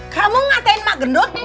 kamu ngatain emak gendut